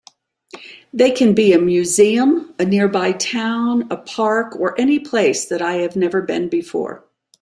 They can be a museum, a nearby town, a park, or any place that I have never been before.